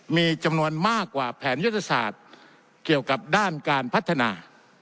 มีจำนวนมากกว่าแผนยุทธศาสตร์เกี่ยวกับด้านการพัฒนา